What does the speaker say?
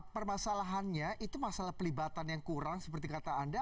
permasalahannya itu masalah pelibatan yang kurang seperti kata anda